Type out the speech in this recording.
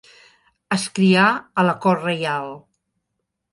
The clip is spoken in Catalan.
Es crià a la cort reial.